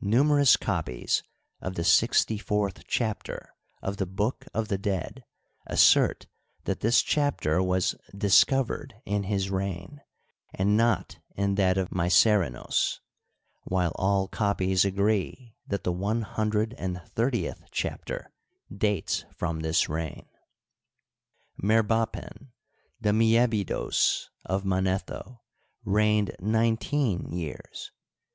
Numerous copies of the sixty fourth chapter of the "Book of the Dead " assert that this chapter was " discovered " in his reign, and not in that of Mycerinos, while all copies agree that the one hundred and thirtieth chapter dates from this reign. Merbapen, the Aliebidos of Manetho, reigned nineteen years.